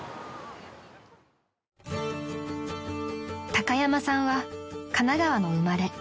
［高山さんは神奈川の生まれ］